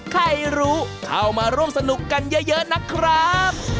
ใครรู้เข้ามาร่วมสนุกกันเยอะนะครับ